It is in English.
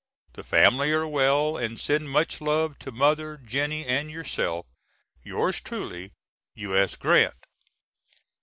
The family are well and send much love to Mother, Jennie and yourself. Yours truly, U.S. GRANT.